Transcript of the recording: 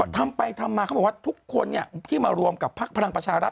ทำไปทำมาเขาบอกว่าทุกคนที่มารวมกับพักพลังประชารัฐ